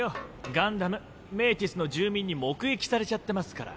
ガンダムメーティスの住民に目撃されちゃってますから。